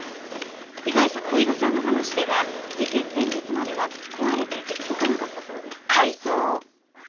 被害者の甥御さんの話では事件前日までは壊れていて動かなかったそうです。